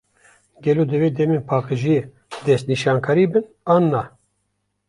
Gelo, divê demên paqijiyê destnîşankirî bin, an na?